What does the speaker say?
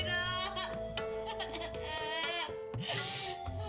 aduh gimana nenek gua